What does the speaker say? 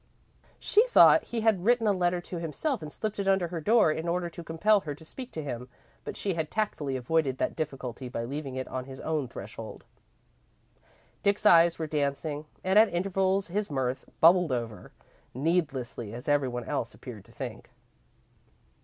She thought he had written a letter to himself and slipped it under her door, in order to compel her to speak to him, but she had tactfully avoided that difficulty by leaving it on his own threshold. Dick's eyes were dancing and at intervals his mirth bubbled over, needlessly, as every one else appeared to think.